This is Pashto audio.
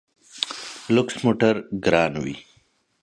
لوکس موټر ګران وي.